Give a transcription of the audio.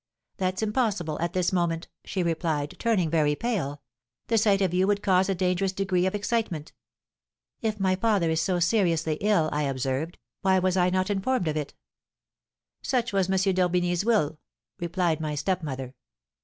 "'That's impossible, at this moment!' she replied, turning very pale; 'the sight of you would cause a dangerous degree of excitement.' "'If my father is so seriously ill,' I observed, 'why was I not informed of it?' "'Such was M. d'Orbigny's will,' replied my stepmother.